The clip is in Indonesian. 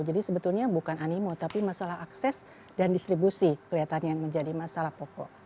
jadi sebetulnya bukan animo tapi masalah akses dan distribusi kelihatannya yang menjadi masalah pokok